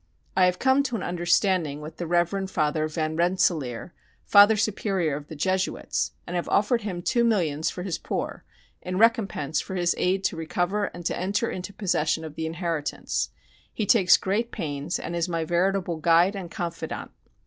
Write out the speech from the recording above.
I have come to an understanding with the Reverend Father Van Rensselaer, Father Superior of the Jesuits, and have offered him two millions for his poor, in recompense for his aid to recover and to enter into possession of the inheritance. He takes great pains, and is my veritable guide and confidant....